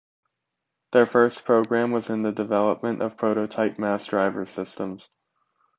Their first program was in the development of prototype mass driver systems.